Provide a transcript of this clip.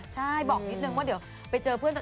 ใช่บอกนิดนึงว่าเดี๋ยวไปเจอเพื่อน